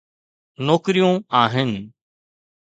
نوڪريون آهن.